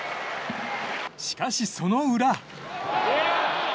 しかしその裏。